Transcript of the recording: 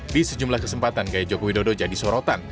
di sejumlah kesempatan gaya joko widodo jadi sorotan